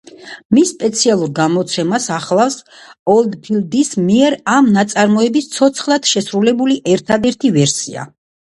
მის სპეციალურ გამოცემას ახლავს ოლდფილდის მიერ ამ ნაწარმოების ცოცხლად შესრულებული ერთადერთი ვერსია.